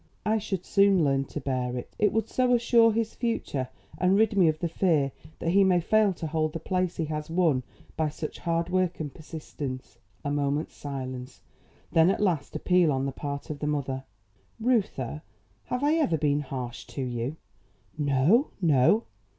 I should soon learn to bear it. It would so assure his future and rid me of the fear that he may fail to hold the place he has won by such hard work and persistence." A moment's silence, then a last appeal on the part of the mother. "Reuther, have I ever been harsh to you?" "No, no."